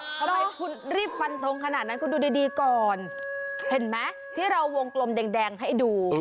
ทำไมคุณรีบฟันทงขนาดนั้นคุณดูดีก่อนเห็นไหมที่เราวงกลมแดงให้ดู